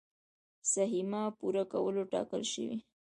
سهميه پوره کولو ټاکل شوي.